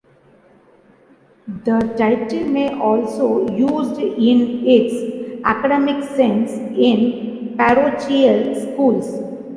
The title may also used in its academic sense in parochial schools.